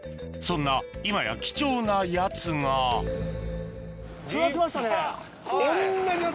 そんな今や貴重なやつがうわ！